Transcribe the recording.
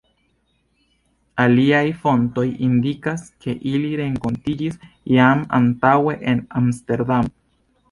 Aliaj fontoj indikas, ke ili renkontiĝis jam antaŭe en Amsterdamo.